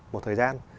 một thời gian